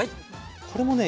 これもね